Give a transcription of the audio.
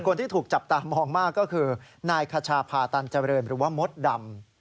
คนที่ถูกจับตามองมากก็คือนายคชาพาตันเจริญหรือว่ามดดำ